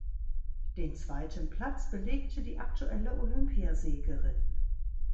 Den zweiten Platz belegte die aktuelle Olympiasiegerin.